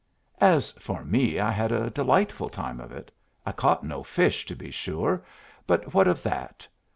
As for me, I had a delightful time of it; I caught no fish, to be sure: but what of that?